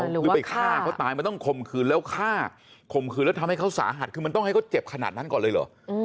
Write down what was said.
หรือไปฆ่าเขาตายมันต้องข่มขืนแล้วฆ่าข่มขืนแล้วทำให้เขาสาหัสคือมันต้องให้เขาเจ็บขนาดนั้นก่อนเลยเหรอ